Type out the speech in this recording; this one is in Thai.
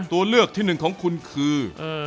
ตัวเลือกที่หนึ่งของคุณคือ